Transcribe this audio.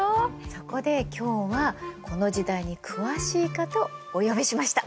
そこで今日はこの時代に詳しい方をお呼びしました。